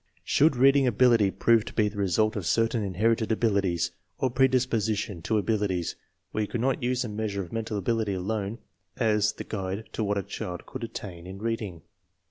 Should reading ability prove to be the result *of certain inherited abilities, or predisposition to abilities, we could not use a measure of mental ability alone as the guide to what a child could attain in reading.